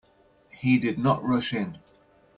He did not rush in.